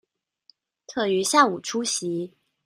特於下午出席